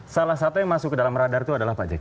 salah satu yang masuk ke dalam radar itu adalah pak jk